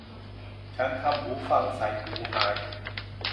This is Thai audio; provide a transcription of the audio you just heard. ฉันทำหูฟังใส่หูหาย